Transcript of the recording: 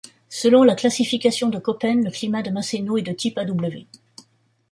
Selon la classification de Köppen, le climat de Maseno est de type Aw.